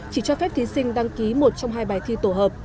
chỉ cho phép thí sinh đăng ký một trong hai bài thi tổ hợp